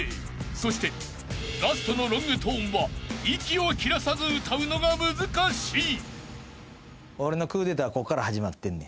［そしてラストのロングトーンは息を切らさず歌うのが難しい］